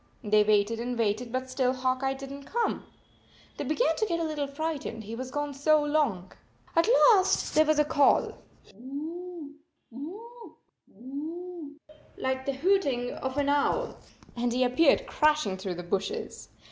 They waited and waited, but still Hawk Eye did not come. They began to get a little frightened, he was gone so long. At last there was a call, " Hoo, hoo, hoooooo," like the hooting of an owl, and he appeared crashing through the bushes.